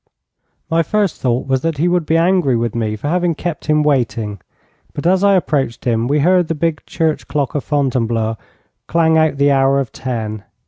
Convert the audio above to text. My first thought was that he would be angry with me for having kept him waiting, but as I approached him, we heard the big church clock of Fontainebleau clang out the hour of ten.